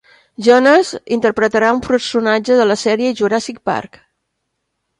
Jones interpretarà un personatge de la sèrie "Jurassic Park".